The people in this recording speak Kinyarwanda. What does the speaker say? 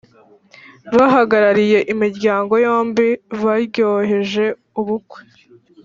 bahagarariye imiryango yombi baryoheje ubukwe